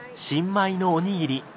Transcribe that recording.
新米のおにぎり。